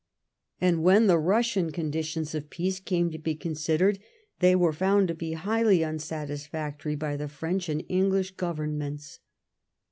"^ And when the Russian conditions of peace came to be considered, they were found to be highly unsatisfactory by the French and English Go vernments.